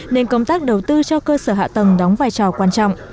nên công tác đầu tư cho cơ sở hạ tầng đóng vai trò quan trọng